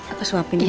aku suapin mas